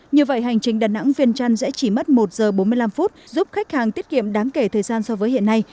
như vậy hành trình đà nẵng viên trăn sẽ chỉ mất một giờ bốn mươi năm phút giúp khách hàng tiết kiệm đáng kể thời gian so với hiện nay